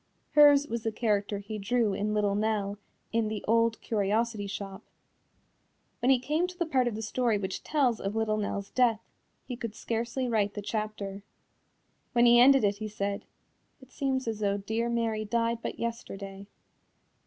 Hers was the character he drew in Little Nell in The Old Curiosity Shop. When he came to the part of the story which tells of Little Nell's death, he could scarcely write the chapter. When he ended it he said, "It seems as though dear Mary died but yesterday."